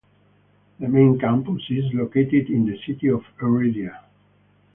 The main campus is located in the city of Heredia.